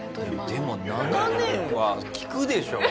でも７年は聞くでしょ？